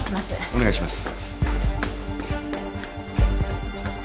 お願いします。